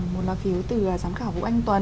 một lá phiếu từ giám khảo vũ anh tuấn